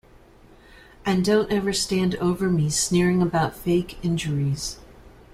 And don't ever stand over me sneering about fake injuries.